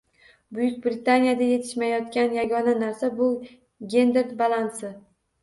Buyuk Britaniyada yetishmayotgan yagona narsa – bu gender balansi.